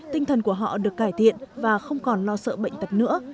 tinh thần của họ được cải thiện và không còn lo sợ bệnh tật nữa